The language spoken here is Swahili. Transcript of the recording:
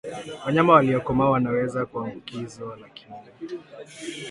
Wanyama waliokomaa wanaweza kuambukizwa lakini